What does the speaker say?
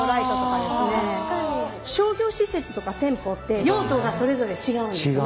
商業施設とか店舗って用途がそれぞれ違うんですね。